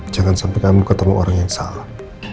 jangan sampai kamu ketemu orang yang salah